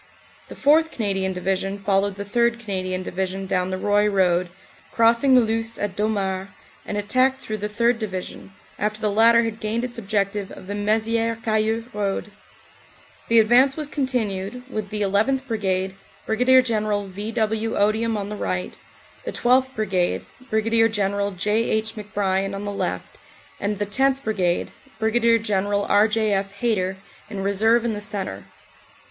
The 4th. Canadian Division followed the 3rd. Canadian Division down the Roye road, crossing the Luce at Domart, and attacked through the 3rd. Division, after the latter had gained its objective of the Mezieres Cayeux Road. The advance was continued with the llth. Brigade, Brig. General V. W. Odium, on the right, the 12th. Brigade, Brig. General J. H. McBrien, on the left, and the 10th. Brigade, Brig. Gen OPERATIONS: AUG. 8. CONTINUED 45 eral R. J. F. Hayter, in reserve in the centre.